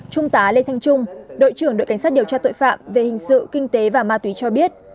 trung tá lê thanh trung đội trưởng đội cảnh sát điều tra tội phạm về hình sự kinh tế và ma túy cho biết